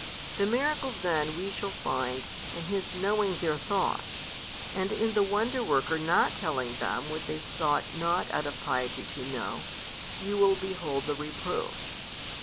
The miracle then we shall find in His knowing their thoughts; and in the Wonder worker not telling them what they sought not out of piety to know, you will behold the reproof.